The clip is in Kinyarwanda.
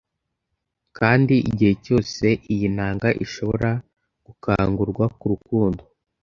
Kandi, igihe cyose iyi nanga ishobora gukangurwa kurukundo,